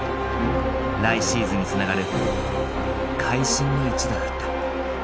来シーズンにつながる会心の一打だった。